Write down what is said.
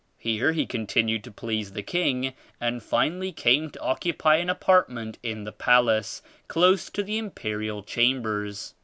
Here he continued to please the king and finally came to occupy an apart ment in the palace close to the imperial cham bers.